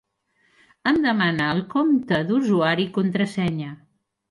Em demana el compte d'usuari i contrasenya.